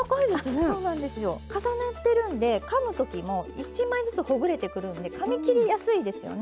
重なってるんでかむ時も１枚ずつほぐれてくるんでかみ切りやすいですよね。